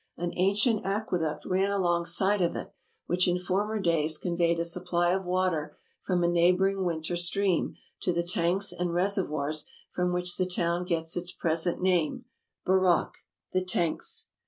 An ancient aqueduct ran alongside of it, which in former days conveyed a supply of water from a neighboring winter stream to the tanks and reservoirs from which the town gets its present name, Burak, "the tanks."